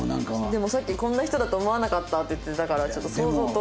でもさっき「こんな人だと思わなかった」って言ってたからちょっと想像と。